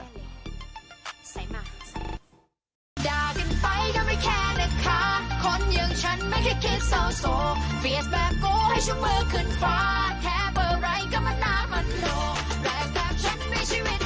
แรงแปลกฉันไม่ชีวิตชีวาแก้วขึ้นมาฉันเป็นพันธุ์กระโปร่ง